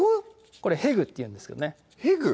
これへぐっていうんですけどねへぐ？